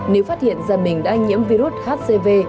nếu phát hiện ra mình đã nhiễm virus hcv